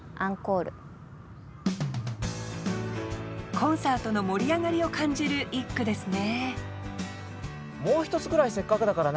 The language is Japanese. コンサートの盛り上がりを感じる一句ですね